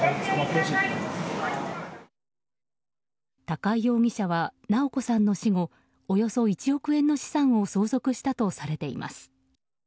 高井容疑者は直子さんの死後およそ１億円の資産を相続したとされています。